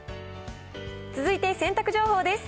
続いて洗濯情報です。